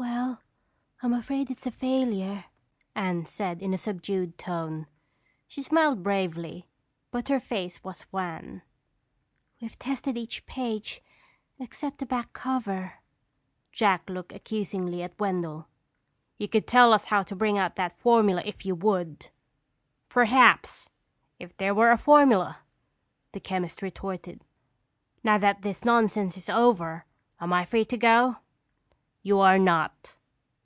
"Well, I'm afraid it's a failure," Anne said in a subdued tone. She smiled bravely but her face was wan. "We've tested each page except the back cover." Jack looked accusingly at Wendell. "You could tell us how to bring out that formula if you would!" "Perhaps, if there were a formula," the chemist retorted. "Now that this nonsense is over, am I free to go?" "You are not."